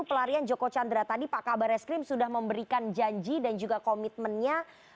pelarian joko chandra tadi pak kabar eskrim sudah memberikan janji dan juga komitmennya